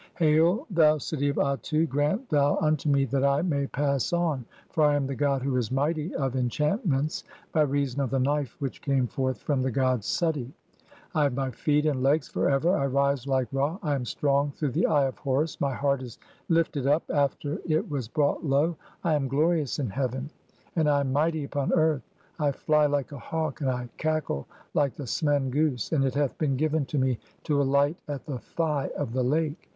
Hail, thou city of Atu, grant thou "unto me that I may pass on, for I am the god who is mighty "of enchantments by reason of the knife which came forth from "the god Suti. (6) I have my feet and legs for ever. I rise like "Ra, I am strong through the Eye of Horus, my heart is lifted 270 THE CHAPTERS OF COMING FORTH BY DAY. "up (7) after it was brought low, [I am] glorious in heaven, "and [I am] mighty upon earth. I fly like a hawk, (8) and I "cackle like the smen goose, and it hath been given to me to "alight at the 'Thigh of the Lake'.